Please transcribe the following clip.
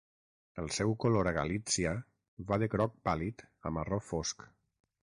El seu color a Galítsia va de groc pàl·lid a marró fosc.